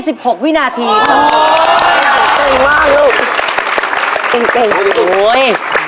ยังเหลือเวลาทำไส้กรอกล่วงได้เยอะเลยลูก